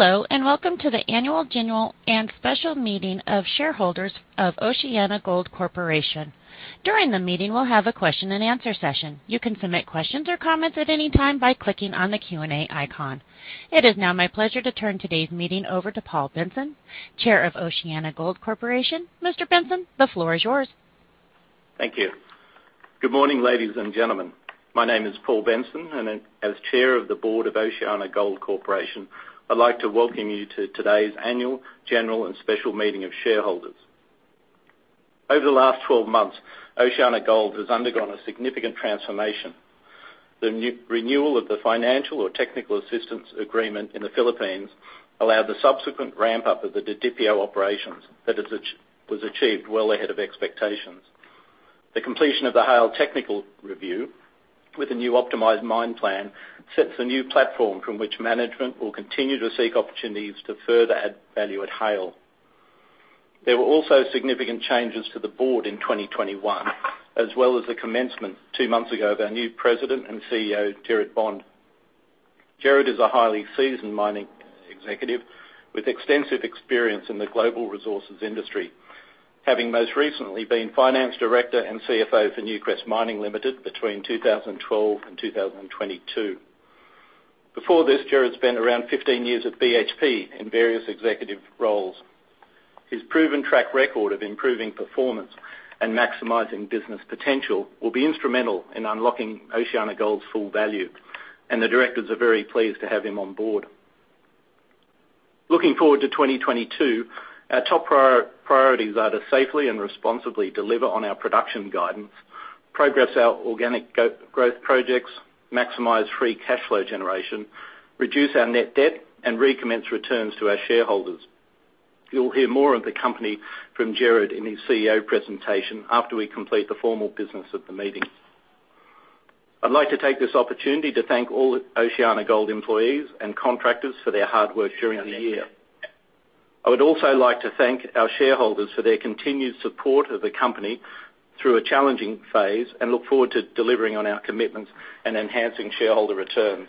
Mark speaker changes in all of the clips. Speaker 1: Hello, and welcome to the Annual General and Special Meeting of Shareholders of OceanaGold Corporation. During the meeting, we'll have a question and answer session. You can submit questions or comments at any time by clicking on the Q&A icon. It is now my pleasure to turn today's meeting over to Paul Benson, Chair of OceanaGold Corporation. Mr. Benson, the floor is yours.
Speaker 2: Thank you. Good morning, ladies and gentlemen. My name is Paul Benson, and as Chair of the Board of OceanaGold Corporation, I'd like to welcome you to today's Annual General and Special Meeting of Shareholders. Over the last 12 months, OceanaGold has undergone a significant transformation. The renewal of the financial or technical assistance agreement in the Philippines allowed the subsequent ramp-up of the Didipio operations that was achieved well ahead of expectations. The completion of the Haile technical review with a new optimized mine plan sets a new platform from which management will continue to seek opportunities to further add value at Haile. There were also significant changes to the board in 2021, as well as the commencement two months ago of our new President and CEO, Gerard Bond. Gerard is a highly seasoned mining executive with extensive experience in the global resources industry, having most recently been Finance Director and CFO for Newcrest Mining Limited between 2012 and 2022. Before this, Gerard spent around 15 years at BHP in various executive roles. His proven track record of improving performance and maximizing business potential will be instrumental in unlocking OceanaGold's full value, and the directors are very pleased to have him on board. Looking forward to 2022, our top priorities are to safely and responsibly deliver on our production guidance, progress our organic growth projects, maximize free cash flow generation, reduce our net debt, and recommence returns to our shareholders. You'll hear more of the company from Gerard in his CEO presentation after we complete the formal business of the meeting. I'd like to take this opportunity to thank all OceanaGold employees and contractors for their hard work during the year. I would also like to thank our shareholders for their continued support of the company through a challenging phase and look forward to delivering on our commitments and enhancing shareholder returns.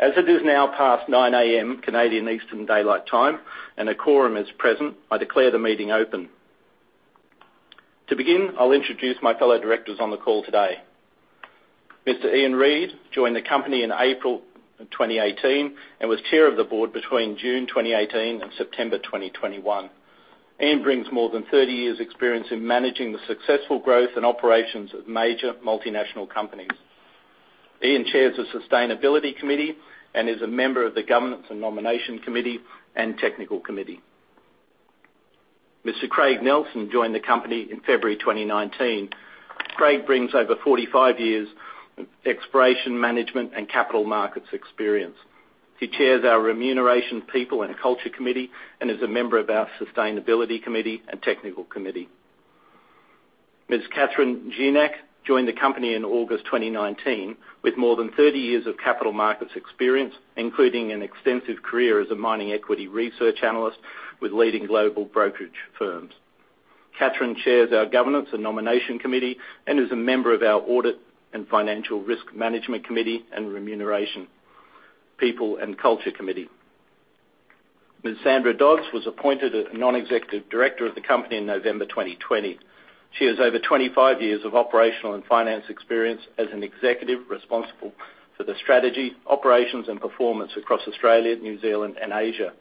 Speaker 2: As it is now past 9:00 A.M. Canadian Eastern Daylight Time and a quorum is present, I declare the meeting open. To begin, I'll introduce my fellow directors on the call today. Mr. Ian Reid joined the company in April 2018 and was Chair of the Board between June 2018 and September 2021. Ian brings more than 30 years' experience in managing the successful growth and operations of major multinational companies. Ian chairs the Sustainability Committee and is a member of the Governance and Nomination Committee and Technical Committee. Mr. Craig Nelsen joined the company in February 2019. Craig brings over 45 years' exploration management and capital markets experience. He chairs our Remuneration, People, and Culture Committee and is a member of our Sustainability Committee and Technical Committee. Ms. Catherine Gignac joined the company in August 2019 with more than 30 years of capital markets experience, including an extensive career as a mining equity research analyst with leading global brokerage firms. Catherine chairs our Governance and Nomination Committee and is a member of our Audit and Financial Risk Management Committee and Remuneration, People, and Culture Committee. Ms. Sandra Dodds was appointed a Non-Executive Director of the company in November 2020. She has over 25 years of operational and finance experience as an executive responsible for the strategy, operations, and performance across Australia, New Zealand, and Asia.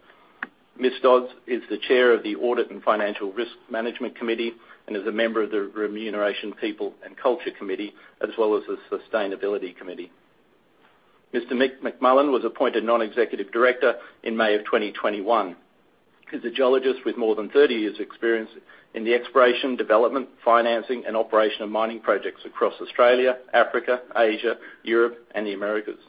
Speaker 2: Ms. Dodds is the Chair of the Audit and Financial Risk Management Committee and is a member of the Remuneration, People, and Culture Committee, as well as the Sustainability Committee. Mr. Mick McMullen was appointed Non-Executive Director in May of 2021. He's a geologist with more than 30 years' experience in the exploration, development, financing, and operation of mining projects across Australia, Africa, Asia, Europe, and the Americas.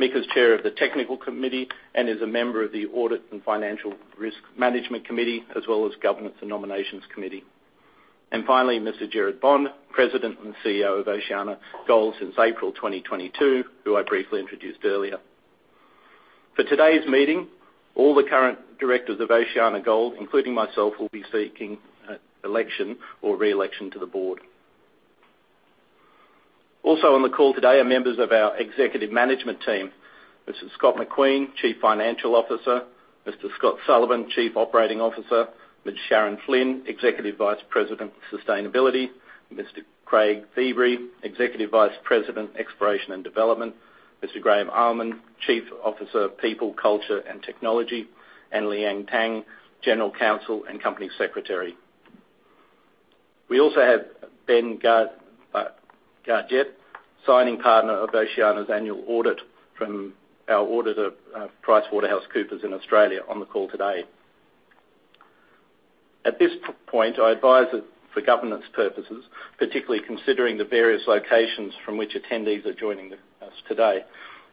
Speaker 2: Mick is Chair of the Technical Committee and is a member of the Audit and Financial Risk Management Committee, as well as Governance and Nomination Committee. Mr. Gerard Bond, President and CEO of OceanaGold since April 2022, who I briefly introduced earlier. For today's meeting, all the current directors of OceanaGold, including myself, will be seeking election or re-election to the board. Also on the call today are members of our executive management team. Mr. Scott McQueen, Chief Financial Officer. Mr. Scott Sullivan, Chief Operating Officer. Ms. Sharon Flynn, Executive Vice President of Sustainability. Mr. Craig Feebrey, Executive Vice President, Exploration and Development. Mr. Graham Almond, Chief Officer of People, Culture, and Technology, and Liang Tang, General Counsel and Company Secretary. We also have Ben Gargett, signing partner of Oceana's annual audit from our auditor, PricewaterhouseCoopers in Australia, on the call today. At this point, I advise that for governance purposes, particularly considering the various locations from which attendees are joining us today,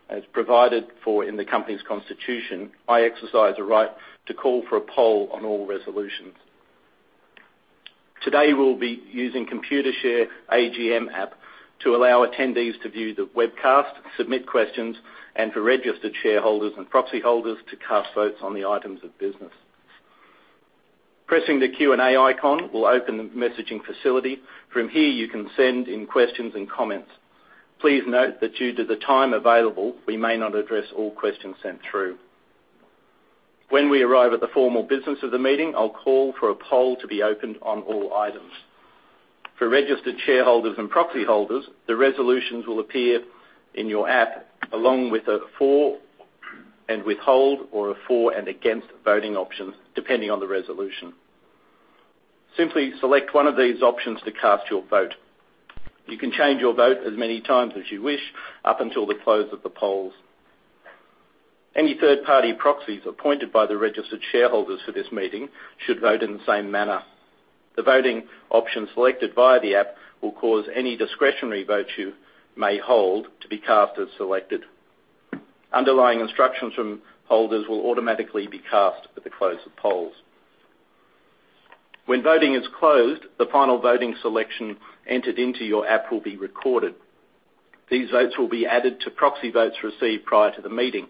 Speaker 2: as provided for in the company's constitution, I exercise a right to call for a poll on all resolutions. Today, we'll be using Computershare AGM app to allow attendees to view the webcast, submit questions, and for registered shareholders and proxy holders to cast votes on the items of business. Pressing the Q&A icon will open the messaging facility. From here, you can send in questions and comments. Please note that due to the time available, we may not address all questions sent through. When we arrive at the formal business of the meeting, I'll call for a poll to be opened on all items. For registered shareholders and proxy holders, the resolutions will appear in your app along with a for and withhold or a for and against voting options depending on the resolution. Simply select one of these options to cast your vote. You can change your vote as many times as you wish up until the close of the polls. Any third-party proxies appointed by the registered shareholders for this meeting should vote in the same manner. The voting option selected via the app will cause any discretionary vote you may hold to be cast as selected. Underlying instructions from holders will automatically be cast at the close of polls. When voting is closed, the final voting selection entered into your app will be recorded. These votes will be added to proxy votes received prior to the meeting.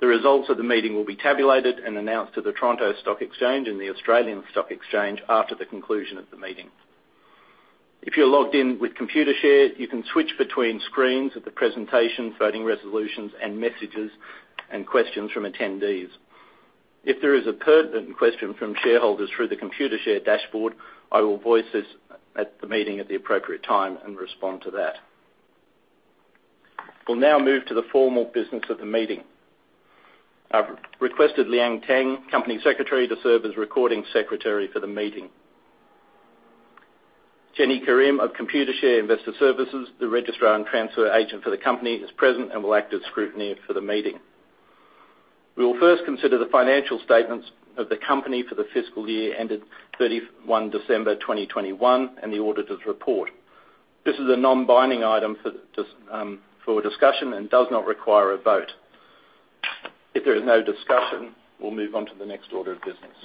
Speaker 2: The results of the meeting will be tabulated and announced to the Toronto Stock Exchange and the Australian Stock Exchange after the conclusion of the meeting. If you're logged in with Computershare, you can switch between screens at the presentation, voting resolutions, and messages and questions from attendees. If there is a pertinent question from shareholders through the Computershare dashboard, I will voice this at the meeting at the appropriate time and respond to that. We'll now move to the formal business of the meeting. I've requested Liang Tang, Company Secretary, to serve as recording secretary for the meeting. Jenny Karim of Computershare Investor Services, the registrar and transfer agent for the company, is present and will act as scrutineer for the meeting. We will first consider the financial statements of the company for the fiscal year ended 31 December 2021 and the auditor's report. This is a non-binding item for discussion and does not require a vote. If there is no discussion, we'll move on to the next order of business.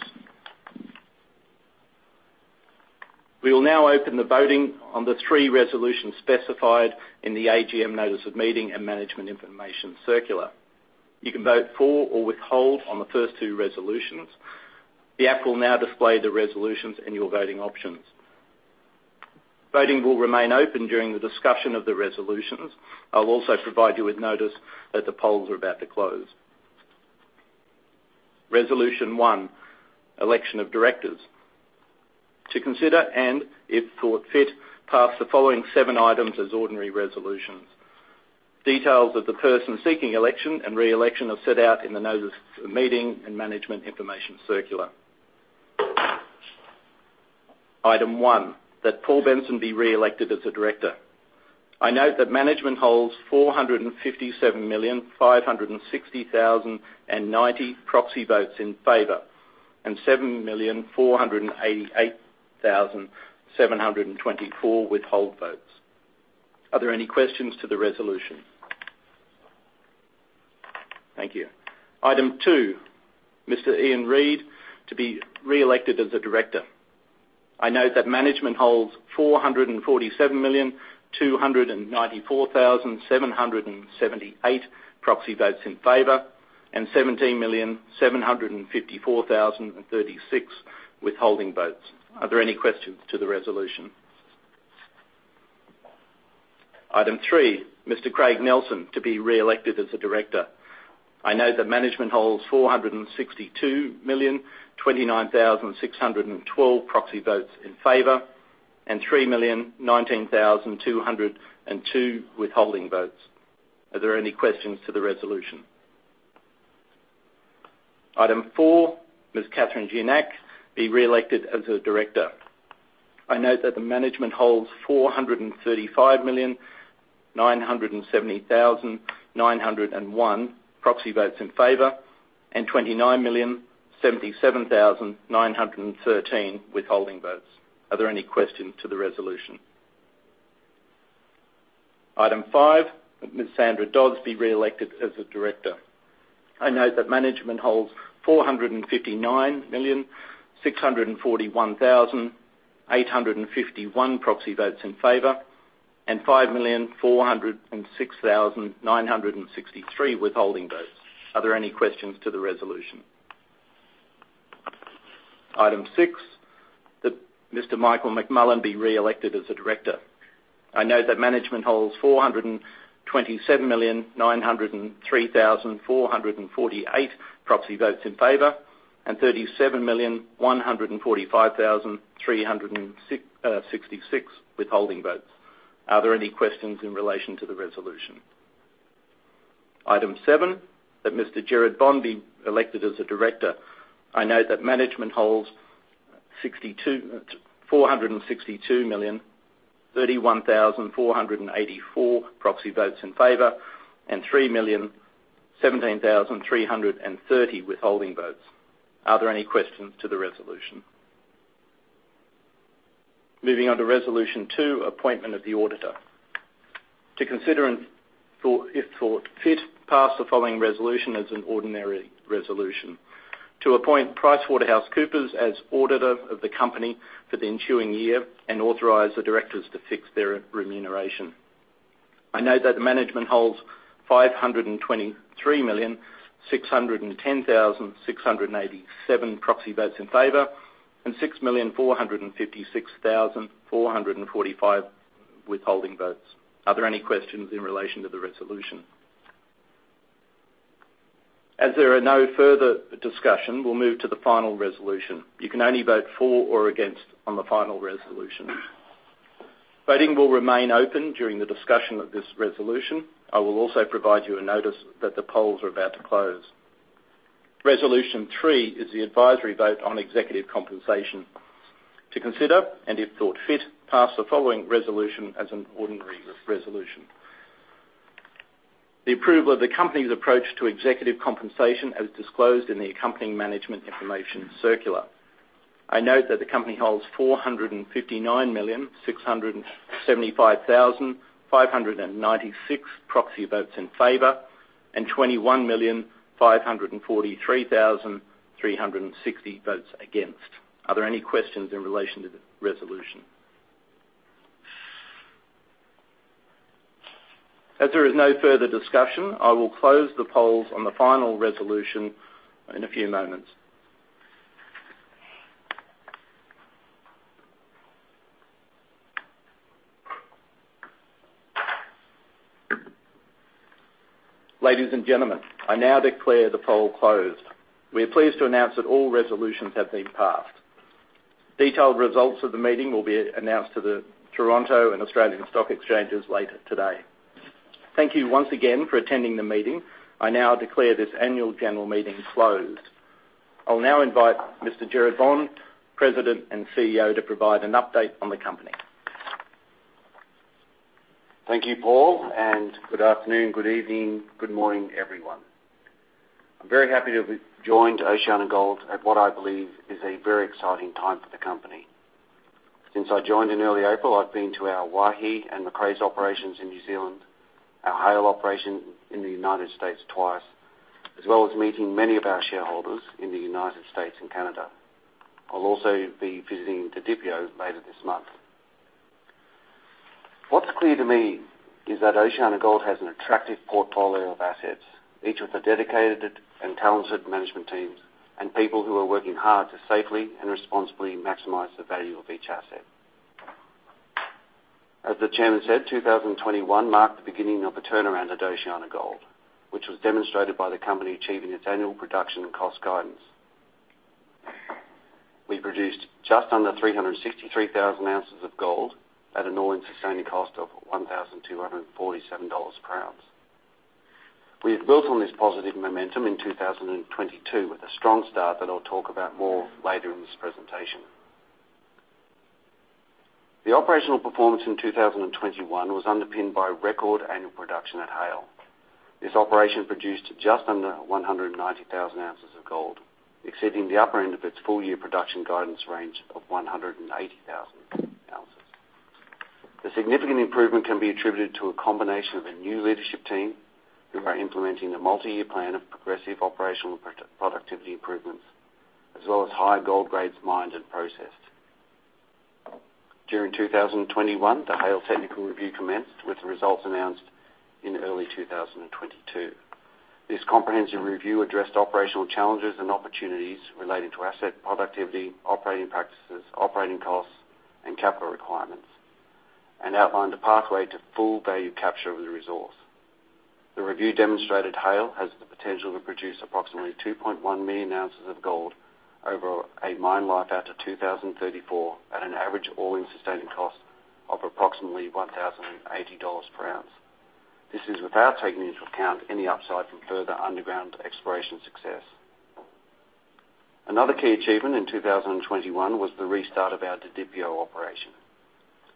Speaker 2: We will now open the voting on the three resolutions specified in the AGM notice of meeting and management information circular. You can vote for or withhold on the first two resolutions. The app will now display the resolutions and your voting options. Voting will remain open during the discussion of the resolutions. I'll also provide you with notice that the polls are about to close. Resolution one, election of directors. To consider, and if thought fit, pass the following seven items as ordinary resolutions. Details of the person seeking election and re-election are set out in the notice of meeting and management information circular. Item one, that Paul Benson be re-elected as a director. I note that management holds 457,560,090 proxy votes in favor, and 7,488,724 withhold votes. Are there any questions to the resolution? Thank you. Item two, Mr. Ian Reid to be re-elected as a director. I note that management holds 447,294,778 proxy votes in favor and 17,754,036 withholding votes. Are there any questions to the resolution? Item three, Mr. Craig Nelsen to be re-elected as a director. I note that management holds 462,029,612 proxy votes in favor and 3,019,202 withholding votes. Are there any questions to the resolution? Item four, Ms. Catherine Gignac be re-elected as a director. I note that the management holds 435,970,901 proxy votes in favor and 29,077,913 withholding votes. Are there any questions to the resolution? Item five, Ms. Sandra Dodds be re-elected as a director. I note that management holds 459,641,851 proxy votes in favor and 5,406,963 withholding votes. Are there any questions to the resolution? Item six, that Mr. Michael McMullen be re-elected as a director. I note that management holds 427,903,448 proxy votes in favor and 37,145,366 withholding votes. Are there any questions in relation to the resolution? Item seven, that Mr. Gerard Bond be elected as a director. I note that management holds 462,031,484 proxy votes in favor and 3,017,330 withholding votes. Are there any questions to the resolution? Moving on to resolution two, appointment of the auditor. To consider and, if thought fit, pass the following resolution as an ordinary resolution. To appoint PricewaterhouseCoopers as auditor of the company for the ensuing year and authorize the directors to fix their remuneration. I note that management holds 523,610,687 proxy votes in favor, and 6,456,445 withholding votes. Are there any questions in relation to the resolution? As there are no further discussion, we'll move to the final resolution. You can only vote for or against on the final resolution. Voting will remain open during the discussion of this resolution. I will also provide you a notice that the polls are about to close. Resolution three is the advisory vote on executive compensation. To consider, and if thought fit, pass the following resolution as an ordinary resolution. The approval of the company's approach to executive compensation as disclosed in the accompanying management information circular. I note that the company holds 459,675,596 proxy votes in favor, and 21,543,360 votes against. Are there any questions in relation to the resolution? As there is no further discussion, I will close the polls on the final resolution in a few moments. Ladies and gentlemen, I now declare the poll closed. We are pleased to announce that all resolutions have been passed. Detailed results of the meeting will be announced to the Toronto Stock Exchange and Australian Stock Exchange later today. Thank you once again for attending the meeting. I now declare this annual general meeting closed. I'll now invite Mr. Gerard Bond, President and CEO, to provide an update on the company.
Speaker 3: Thank you, Paul, and good afternoon, good evening, good morning, everyone. I'm very happy to have joined OceanaGold at what I believe is a very exciting time for the company. Since I joined in early April, I've been to our Waihi and Macraes operations in New Zealand, our Haile operation in the United States twice, as well as meeting many of our shareholders in the United States and Canada. I'll also be visiting Didipio later this month. What's clear to me is that OceanaGold has an attractive portfolio of assets, each with a dedicated and talented management teams, and people who are working hard to safely and responsibly maximize the value of each asset. As the chairman said, 2021 marked the beginning of a turnaround at OceanaGold, which was demonstrated by the company achieving its annual production and cost guidance. We produced just under 363,000 ounces of gold at an All-in Sustaining Cost of $1,247 per ounce. We've built on this positive momentum in 2022 with a strong start that I'll talk about more later in this presentation. The operational performance in 2021 was underpinned by record annual production at Haile. This operation produced just under 190,000 ounces of gold, exceeding the upper end of its full year production guidance range of 180,000 ounces. The significant improvement can be attributed to a combination of a new leadership team who are implementing a multi-year plan of progressive operational pro-productivity improvements, as well as high gold grades mined and processed. During 2021, the Haile technical review commenced, with the results announced in early 2022. This comprehensive review addressed operational challenges and opportunities relating to asset productivity, operating practices, operating costs, and capital requirements, and outlined a pathway to full value capture of the resource. The review demonstrated Haile has the potential to produce approximately 2.1 million ounces of gold over a mine life out to 2034 at an average All-in Sustaining Cost of approximately $1,080 per ounce. This is without taking into account any upside from further underground exploration success. Another key achievement in 2021 was the restart of our Didipio operation.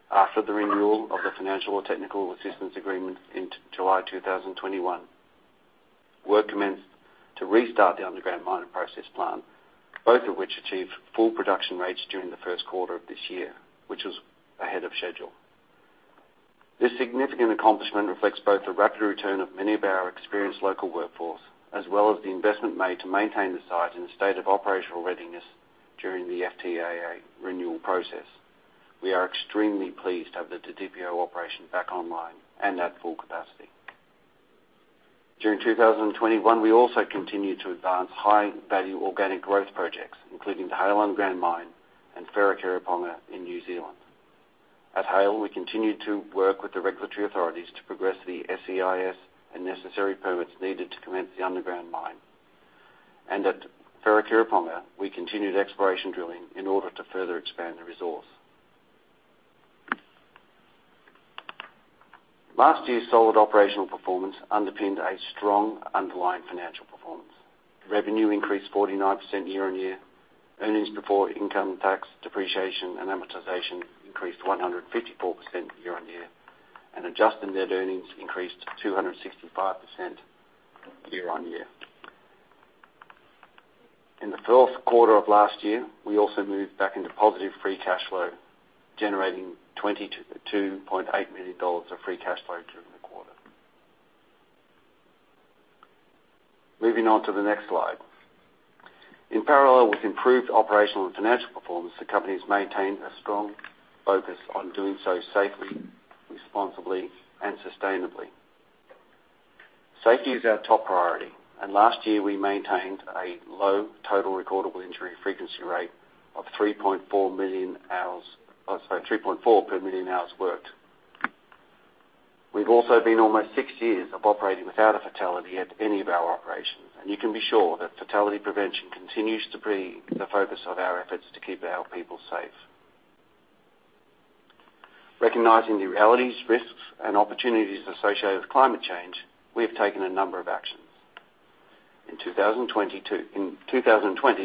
Speaker 3: After the renewal of the Financial or Technical Assistance Agreement in July 2021, work commenced to restart the underground mine and process plant, both of which achieved full production rates during the first quarter of this year, which was ahead of schedule. This significant accomplishment reflects both the rapid return of many of our experienced local workforce, as well as the investment made to maintain the site in a state of operational readiness during the FTAA renewal process. We are extremely pleased to have the Didipio operation back online and at full capacity. During 2021, we also continued to advance high-value organic growth projects, including the Haile Underground Mine and Wharekirauponga in New Zealand. At Haile, we continued to work with the regulatory authorities to progress the SEIS and necessary permits needed to commence the underground mine. At Wharekirauponga, we continued exploration drilling in order to further expand the resource. Last year's solid operational performance underpinned a strong underlying financial performance. Revenue increased 49% year-on-year. Earnings before interest, taxes, depreciation, and amortization increased 154% year-on-year. Adjusted net earnings increased 265% year-on-year. In the fourth quarter of last year, we also moved back into positive free cash flow, generating $22.8 million of free cash flow during the quarter. Moving on to the next slide. In parallel with improved operational and financial performance, the company has maintained a strong focus on doing so safely, responsibly, and sustainably. Safety is our top priority, and last year we maintained a low total Recordable Injury Frequency Rate of 3.4 million– Oh, sorry, 3.4 per million hours worked. We've also been almost six years of operating without a fatality at any of our operations, and you can be sure that fatality prevention continues to be the focus of our efforts to keep our people safe. Recognizing the realities, risks, and opportunities associated with climate change, we have taken a number of actions. In 2020,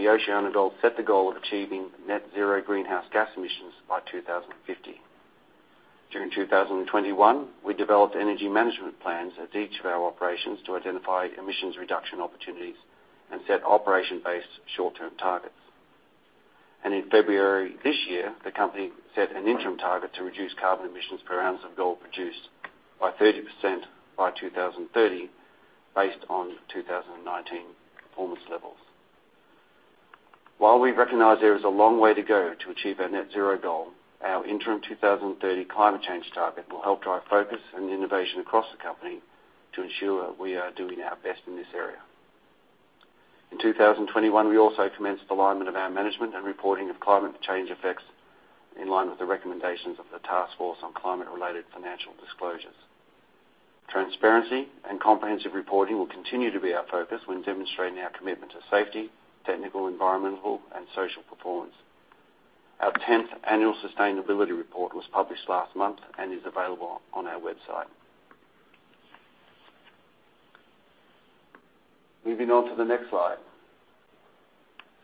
Speaker 3: OceanaGold set the goal of achieving net zero greenhouse gas emissions by 2050. During 2021, we developed energy management plans at each of our operations to identify emissions reduction opportunities and set operation-based short-term targets. In February this year, the company set an interim target to reduce carbon emissions per ounce of gold produced by 30% by 2030 based on 2019 performance levels. While we recognize there is a long way to go to achieve our net zero goal, our interim 2030 climate change target will help drive focus and innovation across the company to ensure we are doing our best in this area. In 2021, we also commenced alignment of our management and reporting of climate change effects in line with the recommendations of the task force on climate-related financial disclosures. Transparency and comprehensive reporting will continue to be our focus when demonstrating our commitment to safety, technical, environmental, and social performance. Our 10th annual Sustainability Report was published last month and is available on our website. Moving on to the next slide.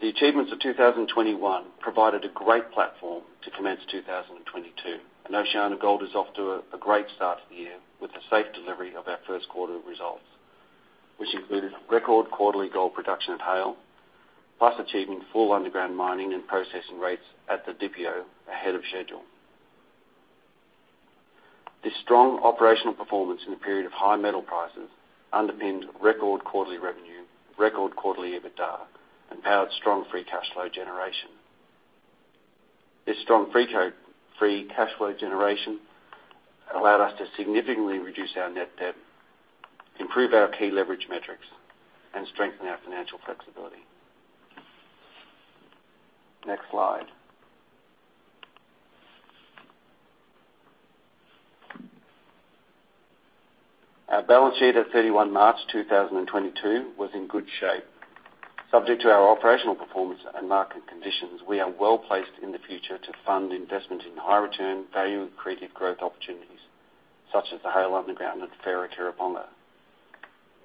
Speaker 3: The achievements of 2021 provided a great platform to commence 2022, and OceanaGold is off to a great start to the year with the safe delivery of our first quarter results, which included record quarterly gold production at Haile, plus achieving full underground mining and processing rates at the Didipio ahead of schedule. This strong operational performance in a period of high metal prices underpinned record quarterly revenue, record quarterly EBITDA, and powered strong free cash flow generation. This strong free cash flow generation allowed us to significantly reduce our net debt, improve our key leverage metrics, and strengthen our financial flexibility. Next slide. Our balance sheet at 31 March 2022 was in good shape. Subject to our operational performance and market conditions, we are well-placed in the future to fund investments in high return, value accretive growth opportunities such as the Haile Underground and the Wharekirauponga,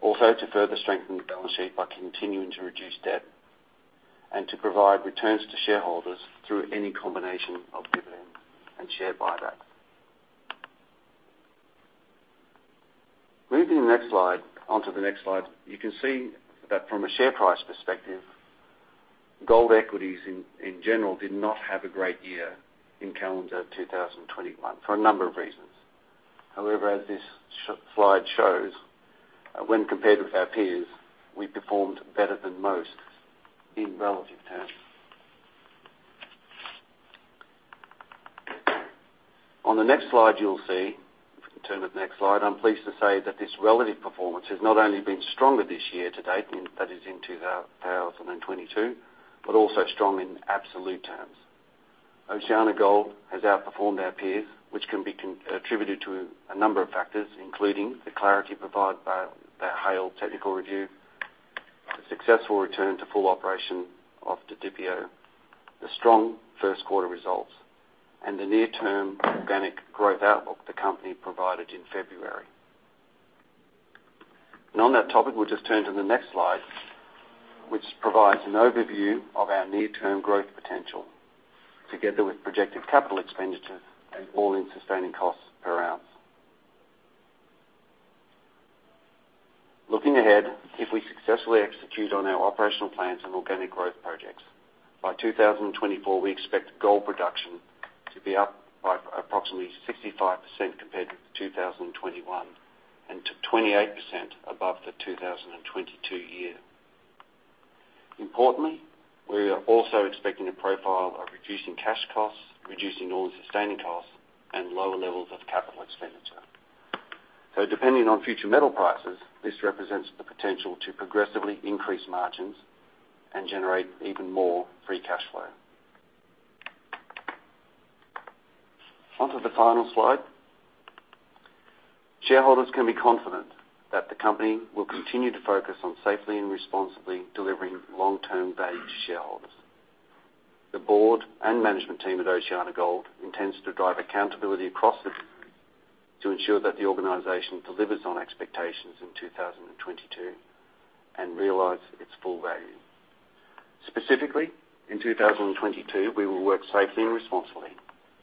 Speaker 3: to further strengthen the balance sheet by continuing to reduce debt and to provide returns to shareholders through any combination of dividends and share buyback. Moving to the next slide, you can see that from a share price perspective, gold equities in general did not have a great year in calendar 2021 for a number of reasons. However, as this slide shows, when compared with our peers, we performed better than most in relative terms. On the next slide, you'll see, if we can turn to the next slide, I'm pleased to say that this relative performance has not only been stronger this year to date, and that is in 2022, but also strong in absolute terms. OceanaGold has outperformed our peers, which can be attributed to a number of factors, including the clarity provided by the Haile technical review, the successful return to full operation of the Didipio, the strong first quarter results, and the near-term organic growth outlook the company provided in February. On that topic, we'll just turn to the next slide, which provides an overview of our near-term growth potential together with projected capital expenditures and All-in Sustaining Costs per ounce. Looking ahead, if we successfully execute on our operational plans and organic growth projects, by 2024, we expect gold production to be up by approximately 65% compared to 2021, and to 28% above the 2022 year. Importantly, we are also expecting a profile of reducing cash costs, reducing all-in sustaining costs, and lower levels of capital expenditure. Depending on future metal prices, this represents the potential to progressively increase margins and generate even more free cash flow. Onto the final slide. Shareholders can be confident that the company will continue to focus on safely and responsibly delivering long-term value to shareholders. The board and management team at OceanaGold intends to drive accountability across the group to ensure that the organization delivers on expectations in 2022 and realize its full value. Specifically, in 2022, we will work safely and responsibly.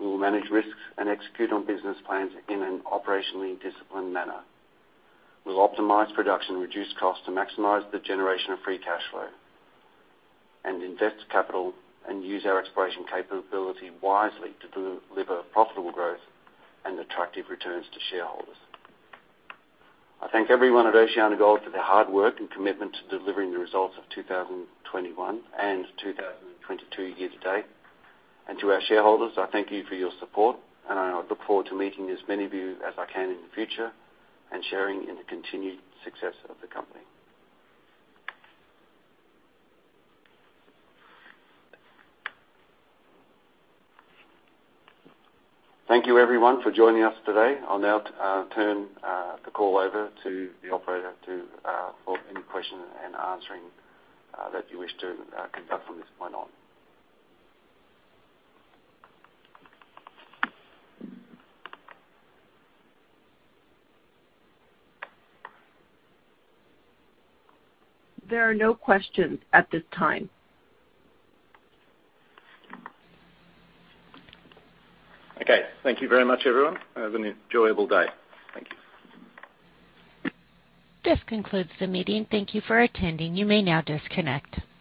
Speaker 3: We will manage risks and execute on business plans in an operationally disciplined manner. We'll optimize production and reduce costs to maximize the generation of free cash flow and invest capital and use our exploration capability wisely to deliver profitable growth and attractive returns to shareholders. I thank everyone at OceanaGold for their hard work and commitment to delivering the results of 2021 and 2022 year to date. To our shareholders, I thank you for your support, and I look forward to meeting as many of you as I can in the future and sharing in the continued success of the company. Thank you, everyone, for joining us today. I'll now turn the call over to the operator for any questions and answers that you wish to conduct from this point on.
Speaker 1: There are no questions at this time.
Speaker 3: Okay. Thank you very much, everyone. Have an enjoyable day. Thank you.
Speaker 1: This concludes the meeting. Thank you for attending. You may now disconnect.